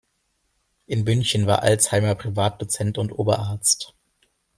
In München war Alzheimer Privatdozent und Oberarzt.